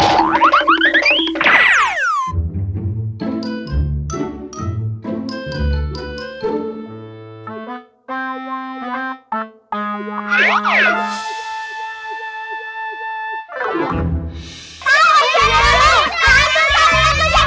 prinses lia nyadar sesuatu gak